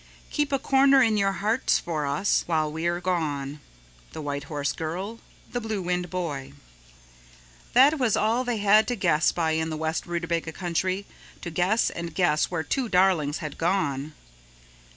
Keep a corner in your hearts for us while we are gone._ The White Horse Girl. The Blue Wind Boy. That was all they had to guess by in the west Rootabaga Country, to guess and guess where two darlings had gone.